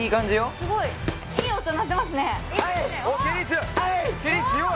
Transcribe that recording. すごいいい音鳴ってますねはい！